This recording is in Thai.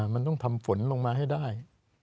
มันต้องทำฝนลงมาให้ได้